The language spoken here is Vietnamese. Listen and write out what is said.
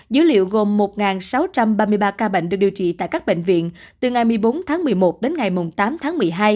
dữ liệu gồm một sáu trăm ba mươi ba ca bệnh được điều trị tại các bệnh viện từ ngày một mươi bốn tháng một mươi một đến ngày tám tháng một mươi hai